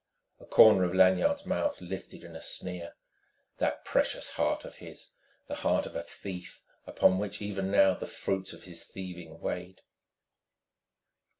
A corner of Lanyard's mouth lifted in a sneer. That precious heart of his! the heart of a thief upon which even now the fruits of his thieving weighed....